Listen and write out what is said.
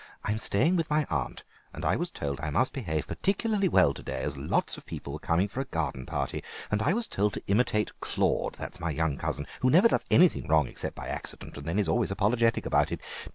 "I'm staying with my aunt, and I was told I must behave particularly well to day, as lots of people were coming for a garden party, and I was told to imitate Claude, that's my young cousin, who never does anything wrong except by accident, and then is always apologetic about it.